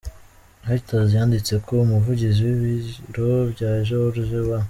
Reuters yanditse ko umuvugizi w’ibiro bya George W.